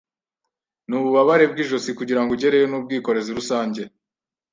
Nububabare bwijosi kugirango ugereyo nubwikorezi rusange.